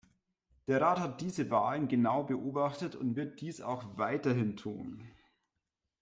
Der Rat hat diese Wahlen genau beobachtet und wird dies auch weiterhin tun.